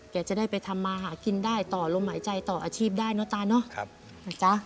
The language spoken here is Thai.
จะได้ไปทำมาหากินได้ต่อลมหายใจต่ออาชีพได้เนอะตาเนาะนะจ๊ะ